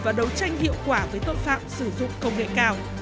và đấu tranh hiệu quả với tội phạm sử dụng công nghệ cao